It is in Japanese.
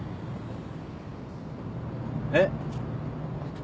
えっ？